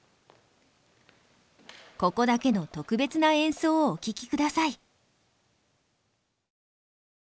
ここだけの特別な演奏をお聴きください。